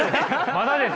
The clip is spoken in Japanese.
まだですよ。